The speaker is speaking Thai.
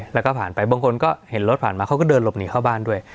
แล้วก็ผ่านไปบางคนก็เห็นรถผ่านมาเขาก็เดินหลบหนีเข้าบ้านด้วย